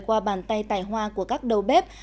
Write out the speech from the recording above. qua bàn tay tài hoa của các đầu bếp